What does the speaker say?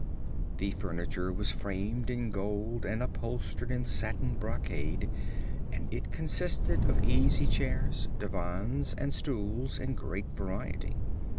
The furniture was framed in gold and upholstered in satin brocade and it consisted of easy chairs, divans and stools in great variety.